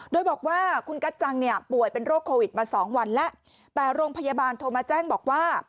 โดยบอกว่าคุณกัจจังเนี่ยป่วยเป็นโรคโควิดมาสองวันแล้วแต่โรงพยาบาลโทรมาแจ้งบอกว่า